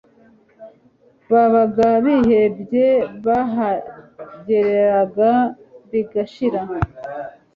babaga bihebye bahageraga bigashira